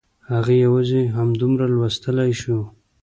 هغه یوازې همدومره لوستلی شو